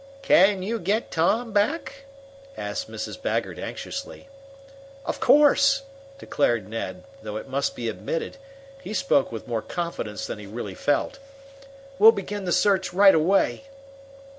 "Can you get Tom back?" asked Mrs. Baggert anxiously. "Of course!" declared Ned, though it must be admitted he spoke with more confidence than he really felt. "We'll begin the search right away."